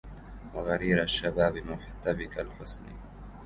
وغرير الشباب محتبك الحسن